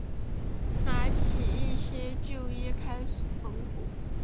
拿起一些旧衣开始缝补